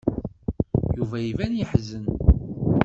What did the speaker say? Yuba iban-d yeḥzen.